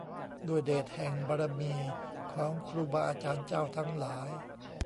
ด้วยเดชแห่งบารมีของครูบาอาจารย์เจ้าทั้งหลาย